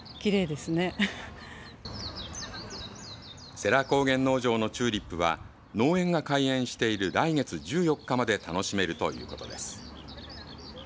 世羅高原農場のチューリップは農園が開園している来月１４日まで楽しめるということです。